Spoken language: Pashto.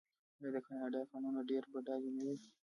آیا د کاناډا کانونه ډیر بډایه نه دي؟